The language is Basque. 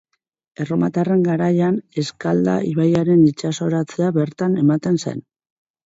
Erromatarren garaian Eskalda ibaiaren itsasoratzea bertan ematen zen.